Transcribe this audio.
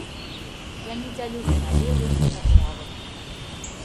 Я не дзялю ні на левых, ні на правых.